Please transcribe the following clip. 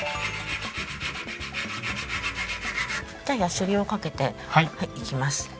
じゃやすりをかけていきます。